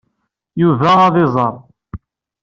Yuba ad iẓer.